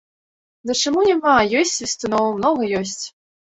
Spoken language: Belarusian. Ды чаму няма, ёсць свістуноў, многа ёсць.